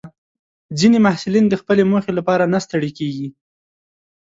ځینې محصلین د خپلې موخې لپاره نه ستړي کېږي.